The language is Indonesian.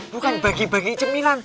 bukan bagi bagi cemilan